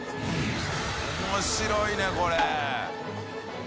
面白いねこれ。